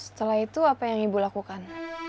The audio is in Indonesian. setelah itu apa yang ibu lakukan